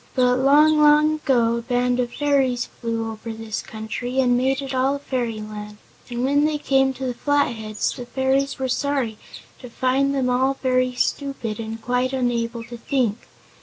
But long, long ago a band of fairies flew over this country and made it all a fairyland, and when they came to the Flatheads the fairies were sorry to find them all very stupid and quite unable to think.